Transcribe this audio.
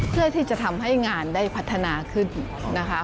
เพื่อที่จะทำให้งานได้พัฒนาขึ้นนะคะ